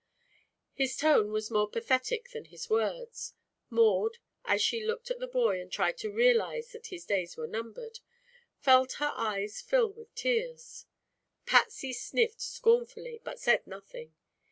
His tone was more pathetic than his words. Maud, as she looked at the boy and tried to realize that his days were numbered, felt her eyes fill with tears. Patsy sniffed scornfully, but said nothing.